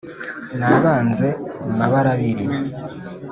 nabanze mabarabiri